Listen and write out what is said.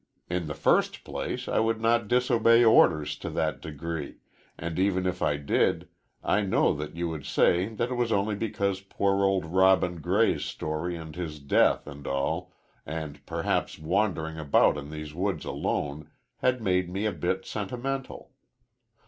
In the first place, I would not disobey orders to that degree, and even if I did, I know that you would say that it was only because poor old Robin Gray's story and his death, and all, and perhaps wandering about in these woods alone, had made me a bit sentimental.